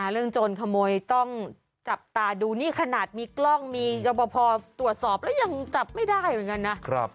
โจรขโมยต้องจับตาดูนี่ขนาดมีกล้องมีรบพอตรวจสอบแล้วยังจับไม่ได้เหมือนกันนะ